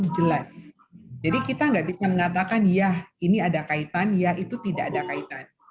jelas jadi kita nggak bisa mengatakan ya ini ada kaitan ya itu tidak ada kaitan